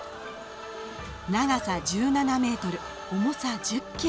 長さ１７ｍ、重さ１０ｋｇ。